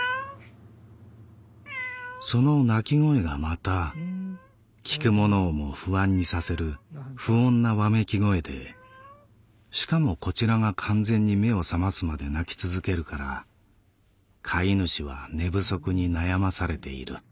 「その鳴き声がまた聴く者をも不安にさせる不穏なわめき声でしかもこちらが完全に目を覚ますまで鳴き続けるから飼い主は寝不足に悩まされている」。